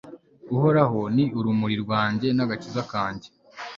uhoraho ni urumuri rwanjye n'agakiza kanjye